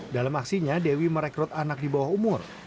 dalam aksinya dewi merekrut anak di bawah umur